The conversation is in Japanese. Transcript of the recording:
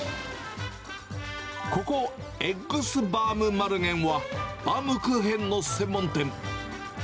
ここ、エッグス・バウム・マルゲンは、バウムクーヘンの専門店。